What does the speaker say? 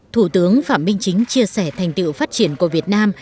thủ tướng phạm minh chính chia sẻ thành tựu phát triển của việt nam